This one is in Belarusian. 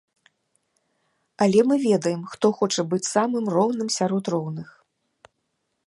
Але мы ведаем, хто хоча быць самым роўным сярод роўных.